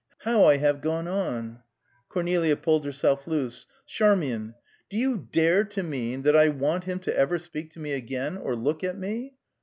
How I have gone on " Cornelia pulled herself loose. "Charmian! Do you dare to mean that I want him to ever speak to me again or look at me?"